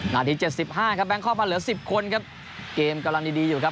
นาที๗๕ครับแกงคอกมาเหลือ๑๐คนครับเกมกำลังดีอยู่ครับ